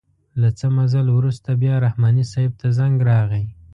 له څه مزل وروسته بیا رحماني صیب ته زنګ راغئ.